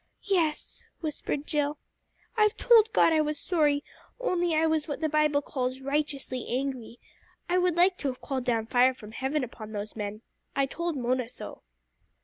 "Yes," whispered Jill. "I've told God I was sorry, only I was what the Bible calls 'righteously angry.' I would like to have called down fire from heaven upon those men. I told Mona so."